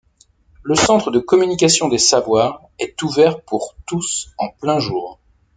Le Centre de communication des savoirs est ouvert pour tous en plein jour.